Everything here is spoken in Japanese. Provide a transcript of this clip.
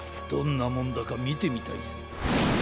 どんなもんだかみてみたいぜ。